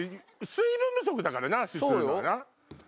水分不足だからな足つるのはな。